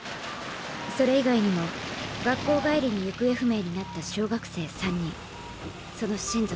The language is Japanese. それ以外にも学校帰りに行方不明になった小学生３人その親族